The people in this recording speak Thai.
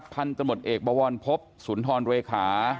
พันธุ์ตมติเอกบวอนพบศุนทรเวคา